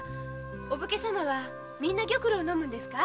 お武家様はみんな玉露を飲むんですか？